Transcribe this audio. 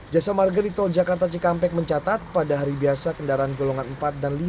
jasa marga di tol jakarta cikampek mencatat pada hari biasa kendaraan golongan empat dan lima